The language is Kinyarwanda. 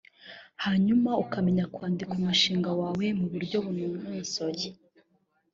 hanyuma ukamenya kwandika umushinga wawe mu buryo bunononsoye